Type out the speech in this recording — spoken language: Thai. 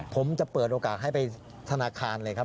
ผมจะเปิดโอกาสให้ไปธนาคารเลยครับ